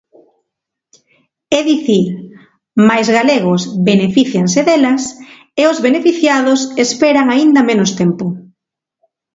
É dicir, máis galegos benefícianse delas e os beneficiados esperan aínda menos tempo.